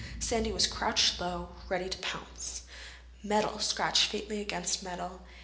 Sandy was crouched low, ready to pounce. Metal scratched faintly against metal.